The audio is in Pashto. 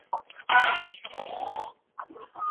زما سره يې دومره ناځواني وكړله !